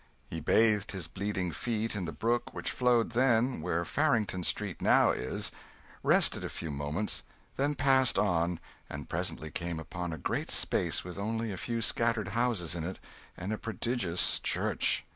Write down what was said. He bathed his bleeding feet in the brook which flowed then where Farringdon Street now is; rested a few moments, then passed on, and presently came upon a great space with only a few scattered houses in it, and a prodigious church.